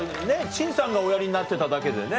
陳さんがおやりになってただけでね。